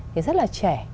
thì rất là trẻ